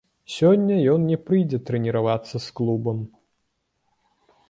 Сёння ён не прыйдзе трэніравацца з клубам.